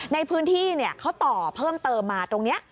ในพื้นที่เขาต่อเพิ่มเติมมาตรงนี้